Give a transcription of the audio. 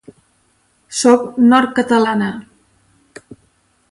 Sóc nord-catalana.